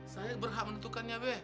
saya berhak menentukannya be